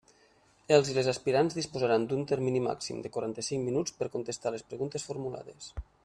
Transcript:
Els i les aspirants disposaran d'un termini màxim de quaranta-cinc minuts per contestar les preguntes formulades.